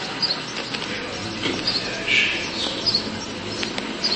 Er war Mitglied der Ashcan School.